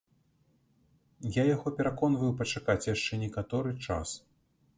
Я яго пераконваю пачакаць яшчэ некаторы час.